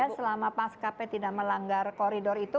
jadi kalau sama pas kapai tidak melanggar koridor itu